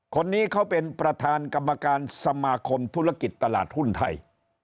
คนนี้เขาเป็นประธานกรรมการสมาคมธุรกิจตลาดหุ้นไทย